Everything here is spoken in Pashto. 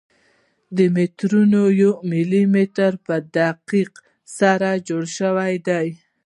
دا مترونه د یو ملي متر په دقت سره جوړ شوي دي.